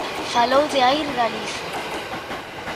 Falou de Air Galiza.